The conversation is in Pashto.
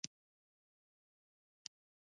شمعه د تورې شپې توروالی ختم کړ.